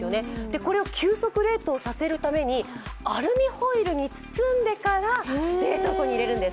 これを急速冷凍させるためにアルミホイルに包んでから冷凍庫に入れるんです。